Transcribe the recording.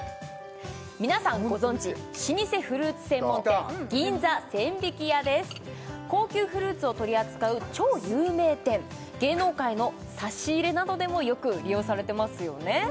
皆さんご存じ老舗フルーツ専門店高級フルーツを取り扱う超有名店芸能界の差し入れなどでもよく利用されてますよね